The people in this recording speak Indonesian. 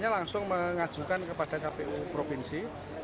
langsung mengajukan kepada kpu provinsi